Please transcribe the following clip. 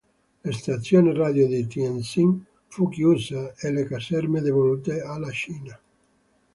La stazione radio di Tientsin fu chiusa e le caserme devolute alla Cina.